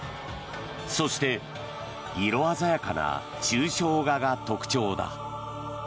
そして色鮮やかな抽象画が特徴だ。